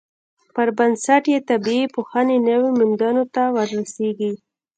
پر بنسټ یې طبیعي پوهنې نویو موندنو ته ورسیږي.